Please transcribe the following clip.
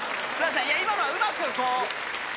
今のはうまくこう。